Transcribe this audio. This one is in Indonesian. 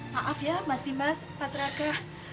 maaf ya mas dimas mas raka